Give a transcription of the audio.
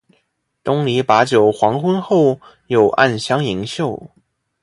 东篱把酒黄昏后，有暗香盈袖